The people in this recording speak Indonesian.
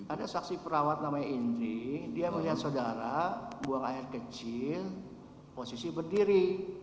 ada saksi perawat namanya indi dia melihat saudara buang air kecil posisi berdiri